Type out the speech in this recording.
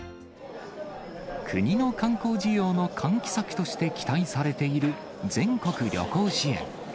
国の観光需要の喚起策として期待されている、全国旅行支援。